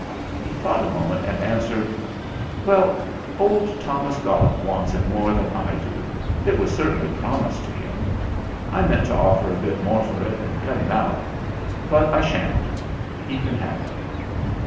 He thought a moment and answered : 176 THE FLINT HEART "Well, old Thomas Gollop wants it more than I do, and it was certainly promised to him. I meant to offer a bit more for it and cut him out ; but I sha'n't. He can have it."